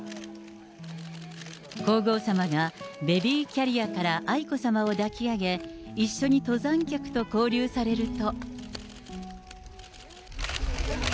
皇后さまがベビーキャリアから愛子さまを抱き上げ、一緒に登山客と交流されると。